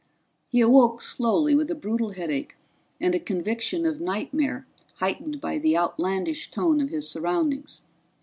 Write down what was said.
He awoke slowly with a brutal headache and a conviction of nightmare heightened by the outlandish tone of his surroundings.